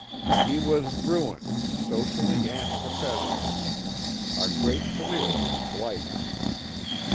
"He was ruined, socially and professionally. A great career was blighted."